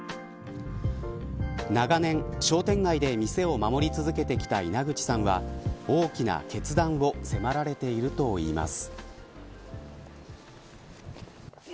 長年、商店街で店を守り続けてきた稲口さんは大きな決断を迫られているといいます。